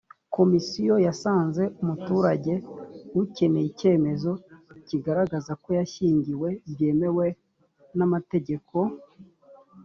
komisiyo yasanze umuturage ukeneye icyemezo kigaragaza ko yashyingiwe byemewe n amategeko